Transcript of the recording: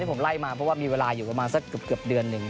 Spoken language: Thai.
ที่ผมไล่มาเพราะว่ามีเวลาอยู่กับเกือบเดือนหนึ่ง